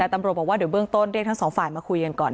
แต่ตำรวจบอกว่าเดี๋ยวเบื้องต้นเรียกทั้งสองฝ่ายมาคุยกันก่อน